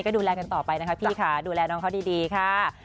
ก็ดูแลกันต่อไปนะคะพี่ค่ะดูแลน้องเขาดีค่ะ